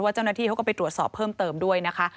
เจ้าหน้าที่เขาก็ไปตรวจสอบเพิ่มเติมด้วยนะคะ